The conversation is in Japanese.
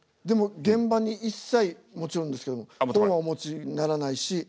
でも現場に一切もちろんですけれども本はお持ちにならないし。